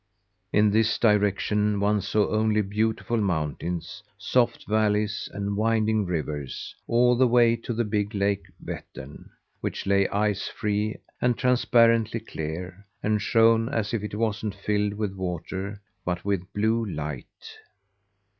In this direction one saw only beautiful mountains, soft valleys, and winding rivers, all the way to the big Lake Vettern, which lay ice free and transparently clear, and shone as if it wasn't filled with water but with blue light.